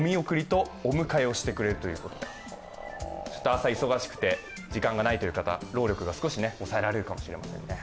朝忙しくて時間がないという方、労力が少し抑えられるかもしれませんね。